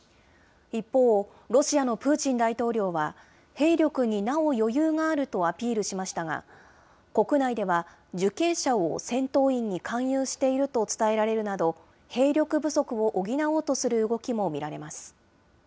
一方、ロシアのプーチン大統領は、兵力になお余裕があるとアピールしましたが、国内では受刑者を戦闘員に勧誘していると伝えられるなど、兵力不足を補おうとする動きも見られます。